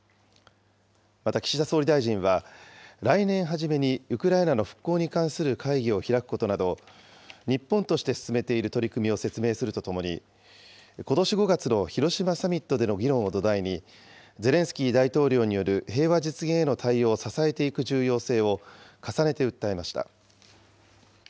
また岸田総理大臣は、来年初めにウクライナの復興に関する会議を開くことなど、日本として進めている取り組みを説明するとともに、ことし５月の広島サミットでの議論を土台に、ゼレンスキー大統領による平和実現への対応を支えていく重要性を重ねて訴えました。